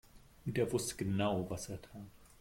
Und er wusste genau, was er tat.